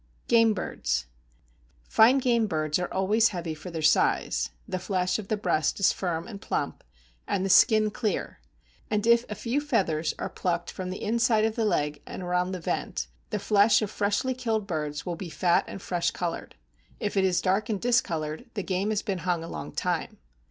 =Game Birds.= Fine game birds are always heavy for their size; the flesh of the breast is firm and plump, and the skin clear; and if a few feathers be plucked from the inside of the leg and around the vent, the flesh of freshly killed birds will be fat and fresh colored; if it is dark, and discolored, the game has been hung a long time.